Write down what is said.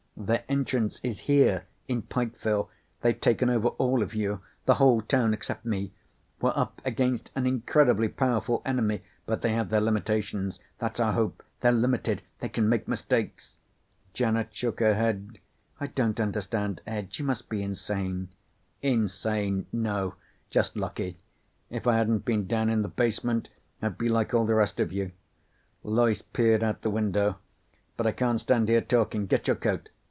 "Their entrance is here, in Pikeville. They've taken over all of you. The whole town except me. We're up against an incredibly powerful enemy, but they have their limitations. That's our hope. They're limited! They can make mistakes!" Janet shook her head. "I don't understand, Ed. You must be insane." "Insane? No. Just lucky. If I hadn't been down in the basement I'd be like all the rest of you." Loyce peered out the window. "But I can't stand here talking. Get your coat."